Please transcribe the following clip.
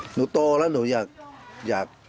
หนูโตแล้วหนูอยาก